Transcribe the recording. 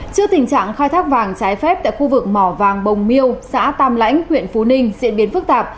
trước tình trạng khai thác vàng trái phép tại khu vực mỏ vàng bồng miêu xã tam lãnh huyện phú ninh diễn biến phức tạp